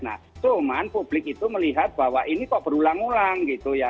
nah cuman publik itu melihat bahwa ini kok berulang ulang gitu ya